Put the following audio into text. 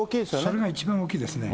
それが一番大きいですね。